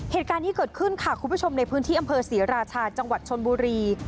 เหตุการณ์นี้เกิดขึ้นค่ะคุณผู้ชมในพื้นที่อำเภอศรีราชาจังหวัดชนบุรี